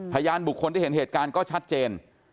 พยานบุคคลที่เห็นเหตุการณ์ก็ชัดเจน